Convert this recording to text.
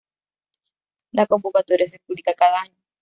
La convocatoria se publica cada año.